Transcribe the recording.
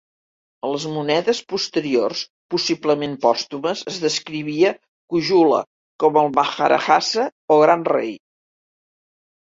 A les monedes posteriors, possiblement pòstumes, es descrivia Kujula com a "Maharajasa" o "Gran Rei".